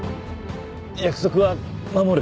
約束は守る。